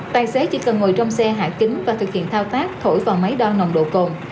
tài xế chỉ cần ngồi trong xe hạ kính và thực hiện thao tác thổi vào máy đo nồng độ cồn